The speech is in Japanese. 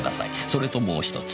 「それとももう１つ。